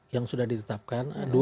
yang sudah ditetapkan